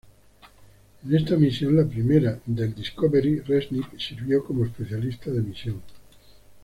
En esta misión, la primera del "Discovery", Resnik sirvió como especialista de misión.